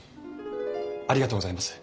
ありがとうございます。